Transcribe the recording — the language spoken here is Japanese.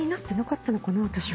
私は。